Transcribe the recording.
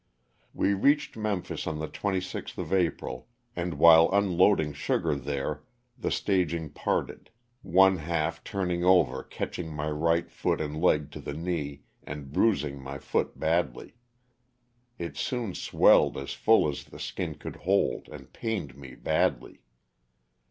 We reached Memphis on the 26th of April, and while unloading sugar there the staging parted, one half turning over catching my right foot and leg to the knee, and bruising my foot badly. It soon swelled as full as the skin could hold and pained me badly.